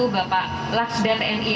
bapak laksdard ni